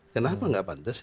kenapa gak pantas